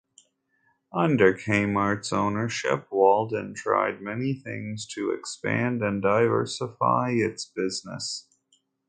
Under Kmart's ownership, Walden tried many things to expand and diversify its business.